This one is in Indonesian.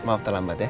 maaf terlambat ya